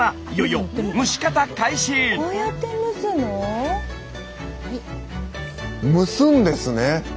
蒸すんですね。